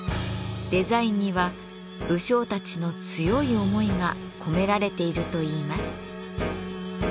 デザインには武将たちの強い思いが込められているといいます。